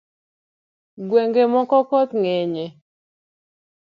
Ngwenge moko koth ng’enye